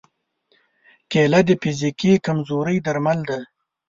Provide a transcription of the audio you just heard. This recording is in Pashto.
کېله د فزیکي کمزورۍ درمل ده.